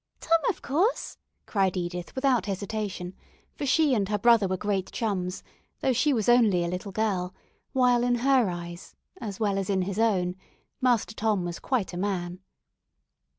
"Tom, of course," cried Edith, without hesitation, for she and her brother were great chums, though she was only a little girl, while in her eyes, as well as in his own, Master Tom was quite a man.